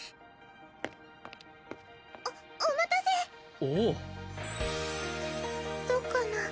おお待たせおおっどうかな？